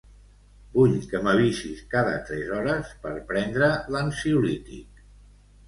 Vull que m'avisis cada tres hores per prendre l'ansiolític.